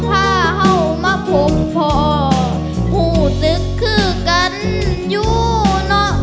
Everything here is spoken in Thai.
พาเห่ามาพบพ่อผู้ศึกคือกันอยู่เนาะ